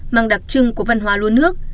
mang đặc trưng của văn hóa lúa nước